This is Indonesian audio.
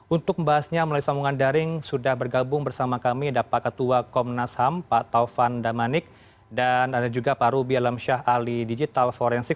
untuk membahasnya melalui sambungan daring sudah bergabung bersama kami ada pak ketua komnas ham pak taufan damanik dan ada juga pak rubi alamsyah ahli digital forensik